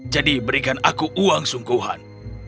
berikan aku uang sungguhan